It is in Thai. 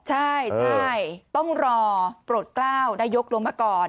ใช่ต้องรอโปรดกล้าวได้ยกลงมาก่อน